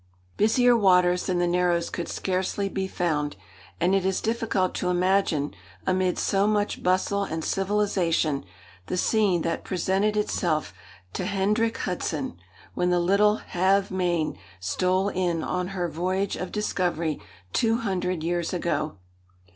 Busier waters than the Narrows could scarcely be found; and it is difficult to imagine, amid so much bustle and civilisation, the scene that presented itself to Hendrick Hudson, when the little Halve Mane stole in on her voyage of discovery two hundred years ago.